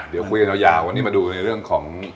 เดี๋ยวคุยกันยาววันนี้มาดูในเรื่องของ